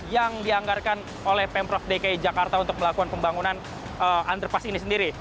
yang dianggarkan oleh pemprov dki jakarta untuk melakukan pembangunan underpass ini sendiri